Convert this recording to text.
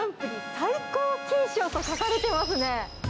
最高金賞と書かれてますね。